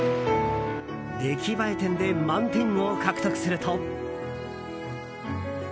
出来栄え点で満点を獲得すると。